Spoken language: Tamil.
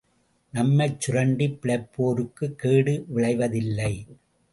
நம்மைச்சுரண்டிப் பிழைப்போருக்கும் கேடு விழைவதில்லை.